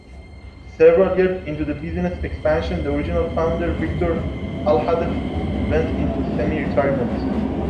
Several years into the business expansion, the original founder, Victor Alhadeff, went into semi-retirement.